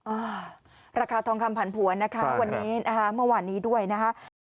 ราคาทองคำผันผวนนะคะวันนี้นะคะเมื่อวานนี้ด้วยนะคะ